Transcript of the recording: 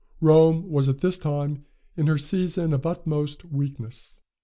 Rome was at this time in her season of utmost weakness.